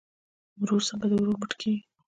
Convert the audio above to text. ورور څنګه د ورور مټ کیږي؟